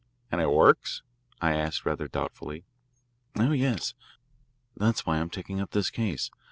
"And it works?" I asked rather doubtfully. "Oh, yes. That's why I'm taking up this case.